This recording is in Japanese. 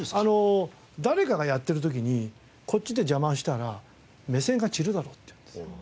「誰かがやってる時にこっちで邪魔したら目線が散るだろ」って言うんです。